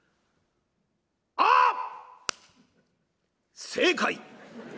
「あっ！正解。